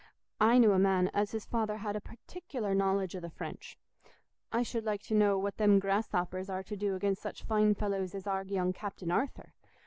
I knew a man as his father had a particular knowledge o' the French. I should like to know what them grasshoppers are to do against such fine fellows as our young Captain Arthur.